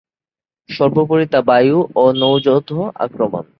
সর্বোপরি তা বায়ু ও নৌ যৌথ আক্রমণ।